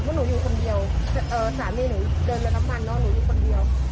ก็หนูอยู่คนเดียวเอ่อสามีหนูเดินไปทั้งวันเนอะหนูอยู่คนเดียว